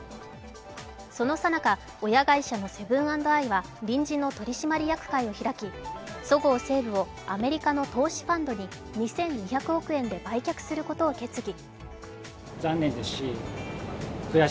そのさなか、親会社のセブン＆アイは臨時の取締役会を開きそごう・西武をアメリカの投資ファンドに２２００億円で売却することを決議。